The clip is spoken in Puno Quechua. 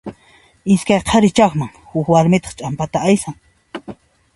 Iskay qhari chaqman, huk warmitaq ch'ampata aysan.